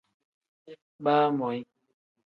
Baamoyi.